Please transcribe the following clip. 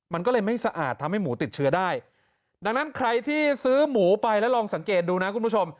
มันก็เลยไม่สะอาดทำให้หมูติดเชื้อได้ดังนั้นใครที่ซื้อหมูไปแล้วลองสังเกตดูนะคุณผู้ชม